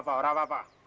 tidak apa apa pak